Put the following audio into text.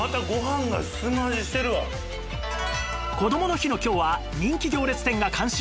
こどもの日の今日は人気行列店が監修！